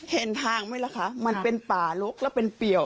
เห็นทางไหมล่ะคะมันเป็นป่าลกแล้วเป็นเปี่ยว